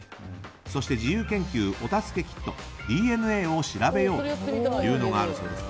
そして「自由研究おたすけキットＤＮＡを調べよう」というのがあるそうです。